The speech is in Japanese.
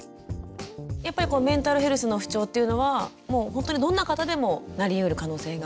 やっぱりこのメンタルヘルスの不調っていうのはもうほんとにどんな方でもなりうる可能性がある？